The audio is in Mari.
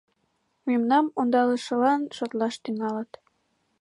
Мемнам ондалышылан шотлаш тӱҥалыт.